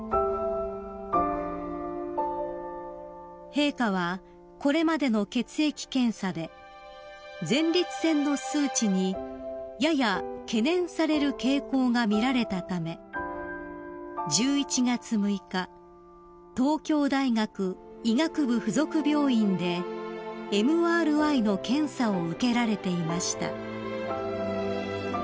［陛下はこれまでの血液検査で前立腺の数値にやや懸念される傾向が見られたため１１月６日東京大学医学部附属病院でＭＲＩの検査を受けられていました］